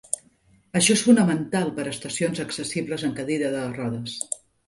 Això és fonamental per a estacions accessibles en cadira de rodes.